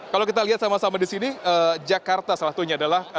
kalau kita lihat sama sama di sini jakarta salah satunya adalah